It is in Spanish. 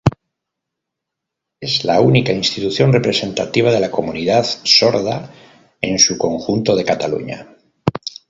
Es la única institución representativa de la comunidad sorda en su conjunto de Cataluña.